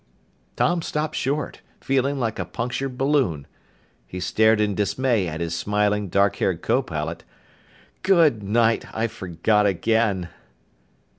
Tom stopped short, feeling like a punctured balloon. He stared in dismay at his smiling, dark haired copilot. "Good night! I forgot again!"